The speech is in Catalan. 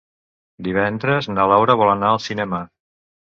Divendres na Laura vol anar al cinema.